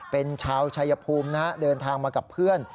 เป็นชาวชายภูมินะฮะเดินทางมากับเพื่อน